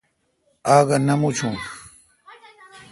آگا نہ مچون۔